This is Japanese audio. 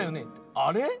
あれ？